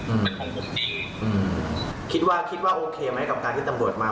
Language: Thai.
อืมเป็นของผมเองอืมคิดว่าคิดว่าโอเคไหมกับการที่ตำรวจมา